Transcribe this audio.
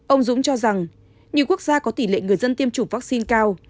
ông dũng cho rằng nhiều quốc gia có tỷ lệ người dân tiêm chủng vaccine cao